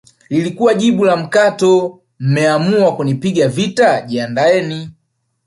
lilikuwa jibu la mkato mmeamua kunipiga vita jiandaeni